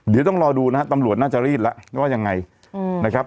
เดี๋ยวต้องรอดูนะฮะตำรวจน่าจะรีดแล้วว่ายังไงนะครับ